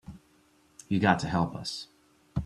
You got to help us.